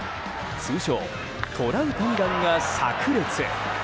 通称トラウタニ弾がさく裂！